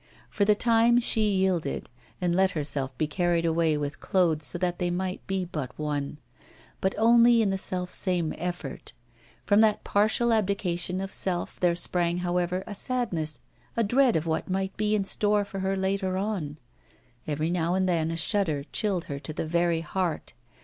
For the time she yielded, and let herself be carried away with Claude, so that they might be but one one only in the self same effort. From that partial abdication of self there sprang, however, a sadness, a dread of what might be in store for her later on. Every now and then a shudder chilled her to the very heart.